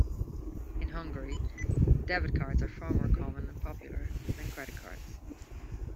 In Hungary debit cards are far more common and popular than credit cards.